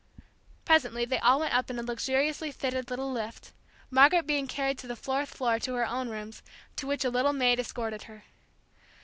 Presently they all went up in a luxuriously fitted little lift, Margaret being carried to the fourth floor to her own rooms, to which a little maid escorted her.